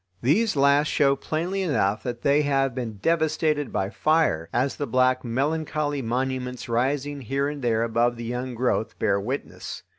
These last show plainly enough that they have been devastated by fire, as the black, melancholy monuments rising here and there above the young growth bear witness.